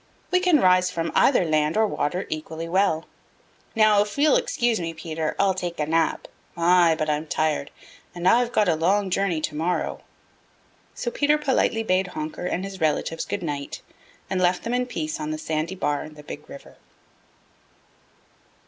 We can rise from either land or water equally well. Now if you'll excuse me, Peter, I'll take a nap. My, but I'm tired! And I've got a long journey to morrow." So Peter politely bade Honker and his relatives good night and left them in peace on the sandy bar in the Big River.